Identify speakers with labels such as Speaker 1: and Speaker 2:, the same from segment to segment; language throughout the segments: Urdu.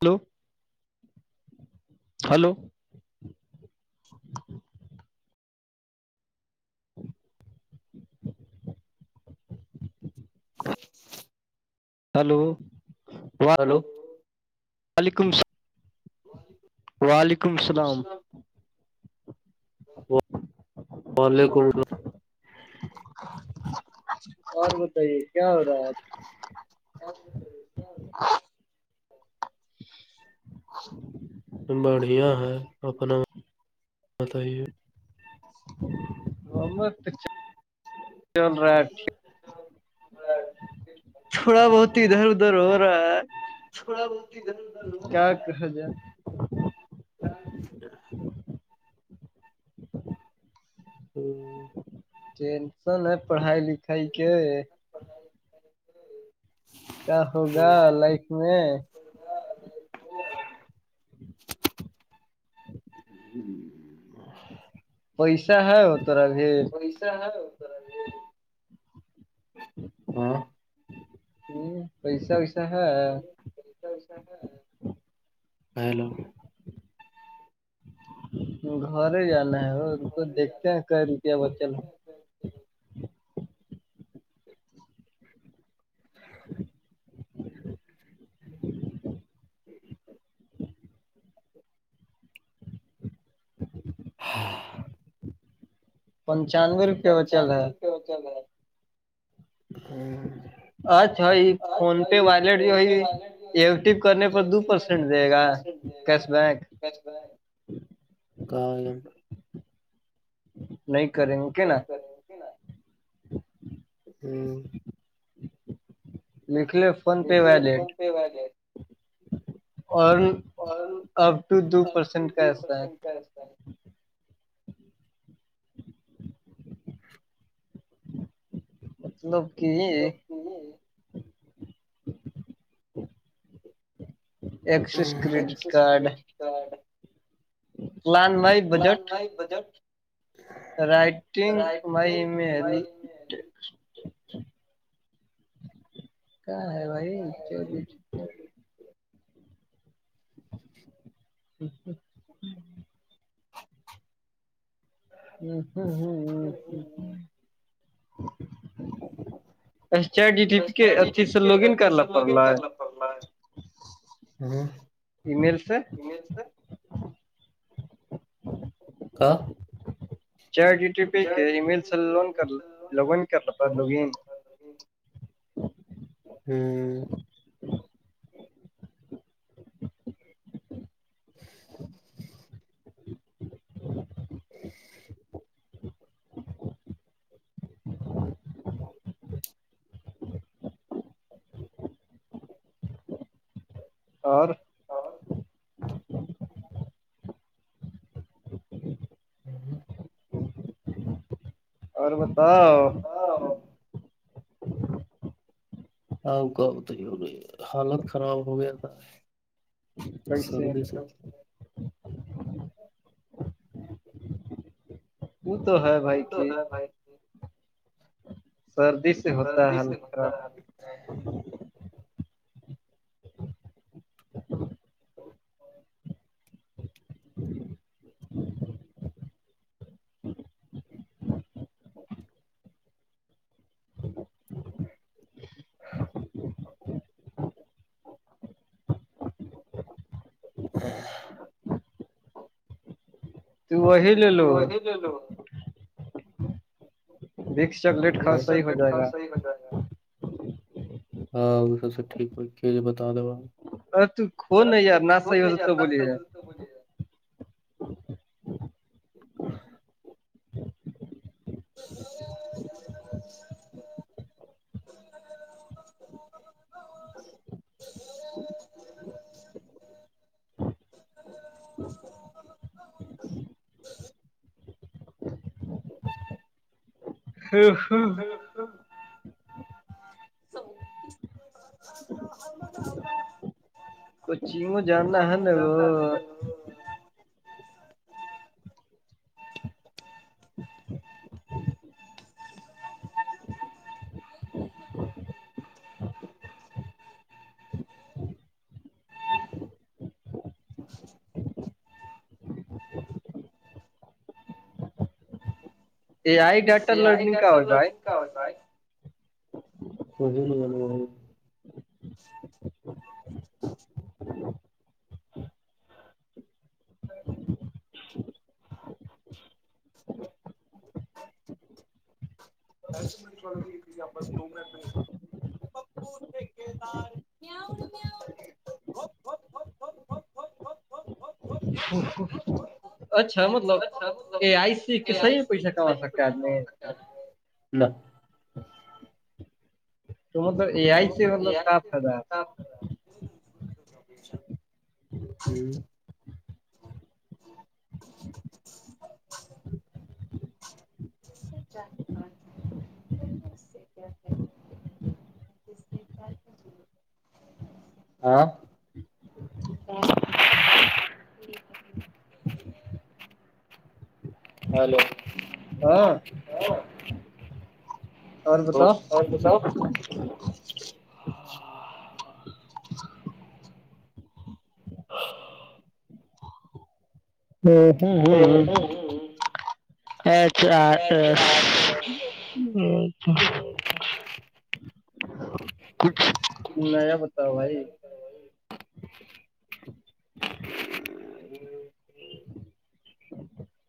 Speaker 1: ہیلو ہلو
Speaker 2: ج [unintelligible]
Speaker 1: ہلو
Speaker 2: ہلو
Speaker 1: وعلیکم السلام وعلیکمسام
Speaker 2: ل وعلیکم السلام
Speaker 1: اور بتائیے کیا ہو رہا ہے
Speaker 2: ا بڑھیا ہے اپنا بتائیے [unintelligible]
Speaker 1: متا تھوڑا بہت ادھر ادھر ہو رہا ہے
Speaker 2: تھوڑا بہت ہی دھردھر ہو
Speaker 1: ایک ہ جار [unintelligible]
Speaker 2: ا [inaudible] ہ [inaudible]
Speaker 1: ٹینشن ہے پڑھائی لکھائی کے [unintelligible] کیا ہوگا لائف میں [unintelligible] ا [inaudible] پیسہ ہے وہ تو ابھی [unintelligible]
Speaker 2: پیسا ہے [unintelligible] ہاں
Speaker 1: ہ پیسہ ویسا ہے [inaudible]
Speaker 2: تو سا [unintelligible] ہیلو [inaudible]
Speaker 1: گھر ہی جانا ہے وہ کو دیکھتے ہیں ک روپیہ بچل [unintelligible]
Speaker 2: ج [inaudible] ج [inaudible]
Speaker 1: پچانوے روپ [unintelligible]
Speaker 2: پنچانوے روپے ہوتے گھر [unintelligible] [inaudible]
Speaker 1: اچھا یہ فون پے وٹ
Speaker 2: فون
Speaker 1: جو ہے ایکٹیو کرنے پر دو پرس [unintelligible] دے گا کیش بک [unintelligible]
Speaker 2: ک [inaudible]
Speaker 1: نہیں کریں گے کہ نا [unintelligible] [inaudible] لکھ لے فون پے والیلیٹ
Speaker 2: پے ہوں
Speaker 1: [unintelligible] اور اپب ٹو دو پرسینٹ کا ایسا ہے [unintelligible]
Speaker 2: س سر [inaudible]
Speaker 1: مطلب کہ [unintelligible] ایک سو [unintelligible]
Speaker 2: Axis credit card [unintelligible]
Speaker 1: lawn my budget [unintelligible]
Speaker 2: budget [inaudible]
Speaker 1: writing میں ای میل [unintelligible] کیا ہے بھائی ا [inaudible] ہ ہ [inaudible] ہ ہوں ہ ہ ہ [inaudible] ا ڈ پی کے اھی سے لوگن کرنا پڑ رہ ہے [unintelligible]
Speaker 2: ہوں [inaudible]
Speaker 1: ای مل سے [unintelligible]
Speaker 2: کہ [inaudible]
Speaker 1: ج ڈی ٹی پی کے ای میل سے ل لوگ کر رہتا لوگ [unintelligible]
Speaker 2: ہوں [inaudible]
Speaker 1: [inaudible] اور
Speaker 2: ہاں [inaudible] ہوں ہوں [inaudible]
Speaker 1: اور بتا [inaudible]
Speaker 2: ہوں آؤ گؤ تو ہی ہو رہی حالت خراب ہو گیا تھا [unintelligible] سرو
Speaker 1: کیسے
Speaker 2: بی سر [unintelligible]
Speaker 1: وہ تو ہے بھائی
Speaker 2: تو
Speaker 1: کی
Speaker 2: ہے بھائی
Speaker 1: سردی سے ہوتا ہے ہلکاا [unintelligible]
Speaker 2: جی [inaudible] ا [inaudible] ج [unintelligible]
Speaker 1: [inaudible]
Speaker 2: ہ [unintelligible]
Speaker 1: تو وہ ہی
Speaker 2: توح ل لو [unintelligible]
Speaker 1: و چاکلیٹ [unintelligible] ہو جائے
Speaker 2: ا
Speaker 1: گا
Speaker 2: صحی بن جائے گا [unintelligible] ہاں وہ سب سے ٹھیک ہو کہے بتا د دوا [unintelligible]
Speaker 1: ارے تو کھو نا
Speaker 2: اب تو
Speaker 1: یار نہ
Speaker 2: ہو
Speaker 1: صحیح
Speaker 2: نہیں ار
Speaker 1: تو
Speaker 2: نس
Speaker 1: بولیے
Speaker 2: [unintelligible] تو بلیے [unintelligible] ج [unintelligible]
Speaker 1: ا [unintelligible] ہاں [unintelligible] [inaudible]
Speaker 2: ج [unintelligible]
Speaker 1: ہ ہ [unintelligible]
Speaker 2: ر [unintelligible]
Speaker 1: ج [unintelligible] کچگوں جانا ہے نا وہ [unintelligible]
Speaker 2: اچ [unintelligible]
Speaker 1: یہ آ ایک ڈاٹٹر لرنگ کا ہو بھائی [unintelligible]
Speaker 2: کیا ہو س بھائی [unintelligible] مزے لگان ہے [unintelligible] دس منٹ دو منٹ میں [unintelligible] پپو ٹھ دار کیا [unintelligible]
Speaker 1: ا [unintelligible] اچھا مطلب اے آئی سی کے صحی میں پیسہ کما سکتا ہے آدمی
Speaker 2: م [unintelligible]
Speaker 1: تو م تو ا آئی سے ہل کا فائدہ [unintelligible]
Speaker 2: ہوں [unintelligible]
Speaker 1: [inaudible]
Speaker 2: ج [unintelligible] ج سے اس سے کیا ہے [unintelligible] ہاں جٹ [unintelligible] ہلو
Speaker 1: ہاں اور بتاؤ
Speaker 2: [inaudible]
Speaker 1: ا ہوں ہ ہ اچھا [unintelligible] جیک [unintelligible] کنا جا پتا بھائی [unintelligible]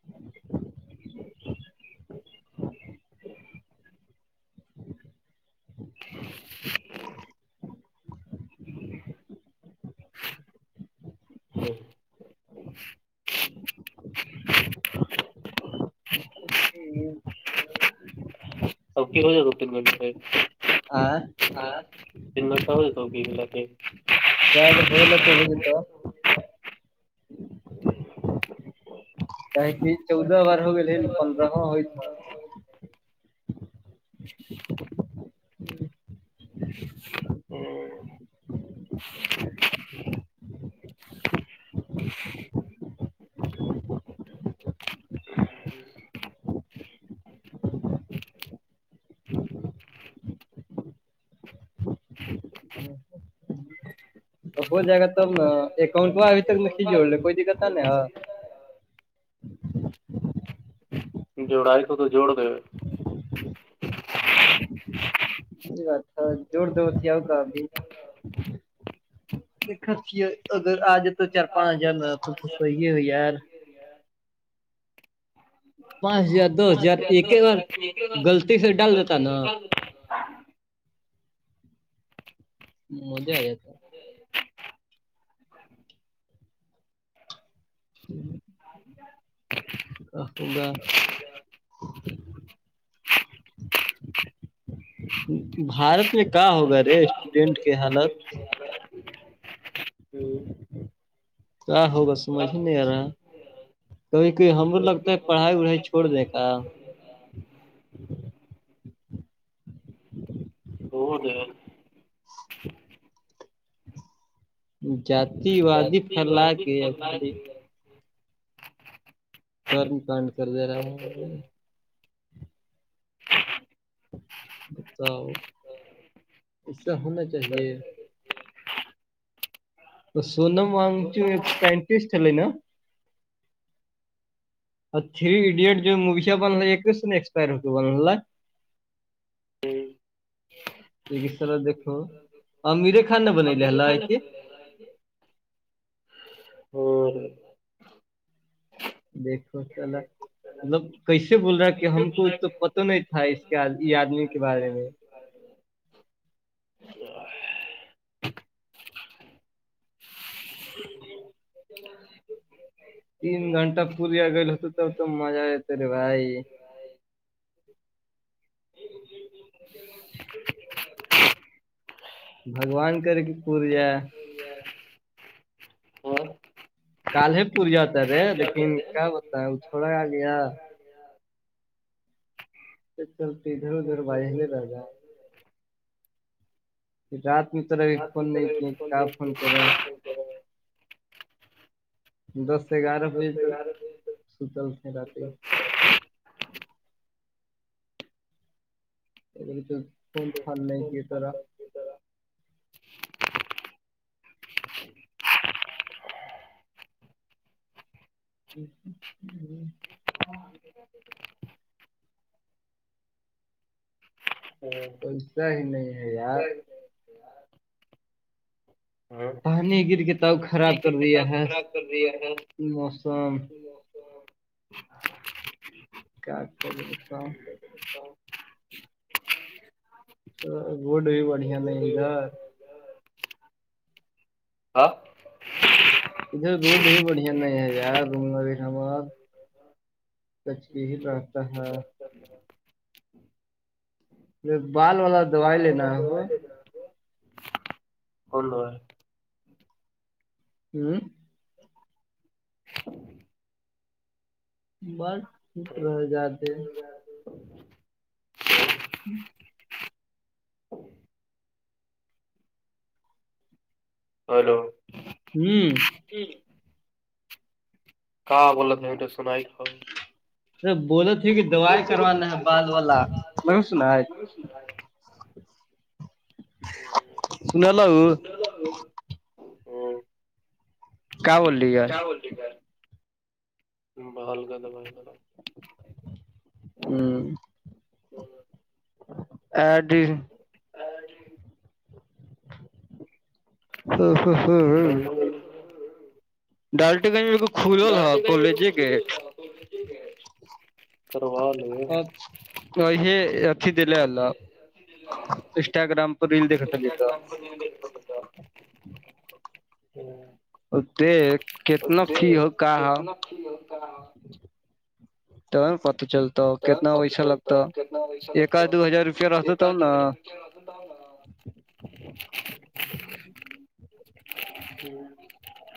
Speaker 2: [inaudible] [inaudible] ہاں [unintelligible] اب کی ہو جائے دو تین گھنٹے پ [unintelligible]
Speaker 1: آ
Speaker 2: ہاں تنا کا ہو تو گ ب [unintelligible]
Speaker 1: ج ہو ل تو ہوجے تو [unintelligible]
Speaker 2: [inaudible]
Speaker 1: کہاہ کہ چودہ بار ہو گ ہے پندرہ ہوئی ہ [unintelligible]
Speaker 2: [inaudible] ہ
Speaker 1: تو ہو جائے گا ت اکاؤنٹ ابھی تک میں کھیچوڑ رہے کوئی دقت نہ
Speaker 2: جوڑائی تو تو جوڑ د
Speaker 1: بی بات تھاا زور دور کیایا ہوگ ابھی اگر آ ج تو چار پانچ ہزار سو یہے ہو یار پانچ ہزار دس ہزار ایک ہی بار غلط سے ڈال دیتا نا مزے آ جاتا ہے جی
Speaker 2: ہ
Speaker 1: کا ہوگا بھارت میں کیا ہوگا رے اسٹوڈینٹ کے حالات
Speaker 2: ہوں
Speaker 1: آ ہوو بس مجے نہیں رہا کبھی کھی ہمر لگتا ہے پڑھائی وڑھائی چھوڑ دی کا
Speaker 2: ہو ج
Speaker 1: [inaudible] جتی وادی پھیلا کے ا خالی کرن کنڈ کر دے رہا ہے بتاؤ اس سے ہونا چاہیے سونم وگ چ ایک سائنٹسٹ ہےل نا اور تھری ایڈیٹ جو موی چ بن ایک ایکسپائر ہو بنا طرح دیکھو امیرے خان نے بنل ح ل ہے کہ
Speaker 2: اور
Speaker 1: دیکھو چ ال مطلب کیسے بول رہا ہے کہ ہم کو تو پ تو نہیں تھا اس کے یہ آدمی کے بارے میں تین گھنٹہ پوریہ گئےل ہوتا توب تو مزہ آتا رے بھائی بگوان کر کے پور جا کالے پور جاتا رے لیکن کیا ہوتا ہے وہ چوڑا گاالیا تو چلتے ادھر ادھر باہل را گا رات میں ترا ابھی فون نہیں کی کہ فون کرے دس سے گیارہ بجے تو ستلتے رات ہی ا بے تو فون تھھار نہیں کہ طا ج ج پیسا ہی نہیں ہے یار پانی گر کے تب خراب کر دیا ہے
Speaker 2: خراب کر دیا ہے.
Speaker 1: موسم کیا کر د بتاؤ تو گڈ بھی بڑھیا نہیں ادھر
Speaker 2: ہاں
Speaker 1: ادھر روڈ بھی بڑھیا نہیں ہے یار روم لگٹمار سچکی ہی رہاتتا ہے بال والا دوائی لینا ہے وہ
Speaker 2: ہوند ہے
Speaker 1: ہوں بٹ ٹوٹ رہ
Speaker 2: ہلو
Speaker 1: جاتے ہوں
Speaker 2: ہیلو
Speaker 1: ہوں
Speaker 2: ج کہ بول تھاے سنائی
Speaker 1: ارے بولے تھی کہ دوائی
Speaker 2: بول
Speaker 1: کروانا ہے بال والا
Speaker 2: ت
Speaker 1: نہیں سنا
Speaker 2: کہ کرا
Speaker 1: سنل
Speaker 2: [inaudible] ہ
Speaker 1: کیا بول رہی ہے
Speaker 2: بول بال کا دبائی با
Speaker 1: ہوں اڈ
Speaker 2: ا جی
Speaker 1: ہ ہ ہ ہ ڈال یکن
Speaker 2: ڈالٹول
Speaker 1: ا یہ اھی دلے اللہ انسٹاگرام پر ریل دیکھتا لیتا
Speaker 2: ہھ
Speaker 1: ا د کتنا فی ہو کہ تو پت چل
Speaker 2: چ ن پک چ ہوتا کتنا پیسہ لگتا ایکا اد ہجار رپ لات تھا ہ ن ٹھ